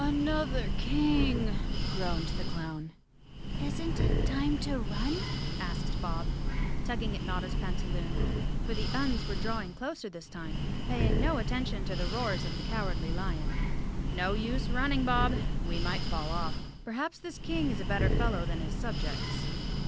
"Another king," groaned the clown. "Isn't it time to run?" asked Bob, tugging at Notta's pantaloon, for the Uns were drawing closer this time, paying no attention to the roars of the Cowardly Lion. "No use running, Bob. We might fall off. Perhaps thid King is a better fellow than his subjects.